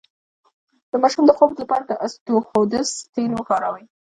د ماشوم د خوب لپاره د اسطوخودوس تېل وکاروئ